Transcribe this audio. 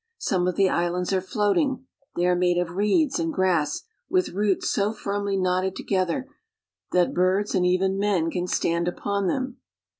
Some of the islands are floating; they are made of reeds and grass, with roots so firmly knotted together that birds and even men can stand upon them.